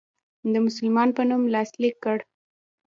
د مسلمان په نوم لاسلیک کړ.